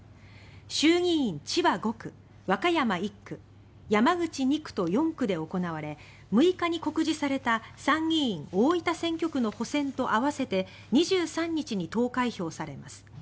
衆議院千葉５区、和歌山１区山口２区と４区で行われ６日に告示された参議院大分選挙区の補選と合わせて２３日に投開票されます。